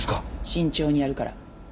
慎重にやるから。